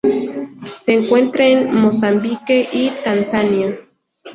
Se encuentra en Mozambique y Tanzania.